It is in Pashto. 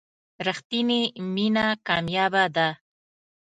رښتینې مینه کمیابه ده.